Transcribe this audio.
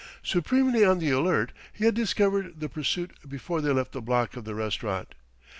Supremely on the alert, he had discovered the pursuit before they left the block of the restaurant.